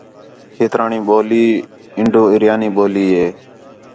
کھیترانی ٻولی اِنڈو آریانی ٻولی ہے